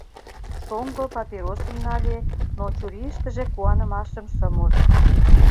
Шоҥго папиросым нале, но чурийыштыже куанымашым шым уж.